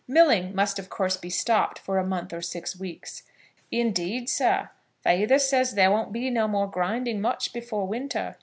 Milling must of course be stopped for a month or six weeks. "Indeed, sir, feyther says that there won't be no more grinding much before winter."